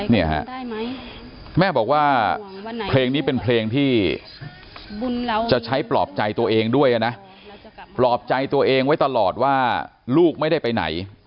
เนี่ยฮะแม่บอกว่าเพลงนี้เป็นเพลงที่จะใช้ปลอบใจตัวเองด้วยนะปลอบใจตัวเองไว้ตลอดว่าลูกไม่ได้ไปไหน